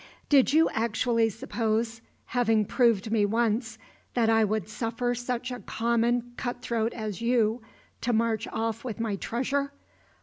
"Did you actually suppose, having proved me once, that I would suffer such a common cut throat as you to march off with my treasure?